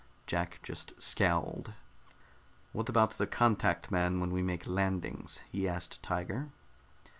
Jack just scowled. "What about the contact man when we make landings?" he asked Tiger.